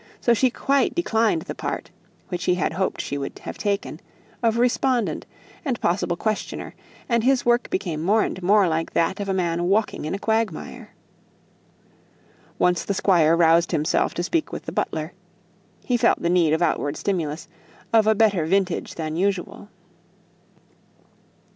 So she quite declined the part, which he had hoped she would have taken, of respondent, and possible questioner; and his work became more and more like that of a man walking in a quagmire. Once the Squire roused himself to speak to the butler; he felt the need of outward stimulus of a better vintage than usual.